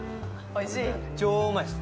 おいしい？